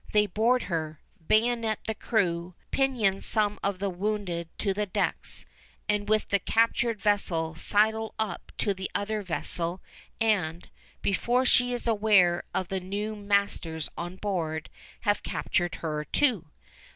They board her, bayonet the crew, "pinion some of the wounded to the decks," and with the captured vessel sidle up to the other vessel, and, before she is aware of the new masters on board, have captured her too.